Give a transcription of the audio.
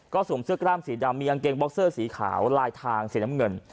สวมเสื้อกล้ามสีดำมีกางเกงบ็อกเซอร์สีขาวลายทางสีน้ำเงิน